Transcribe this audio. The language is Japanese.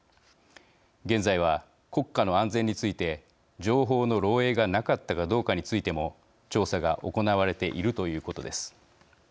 現在は国家の安全について情報の漏えいがなかったかどうかについても調査が行われているということです。